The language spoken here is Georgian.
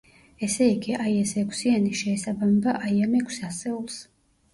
ესე იგი, აი ეს ექვსიანი, შეესაბამება აი ამ ექვს ასეულს.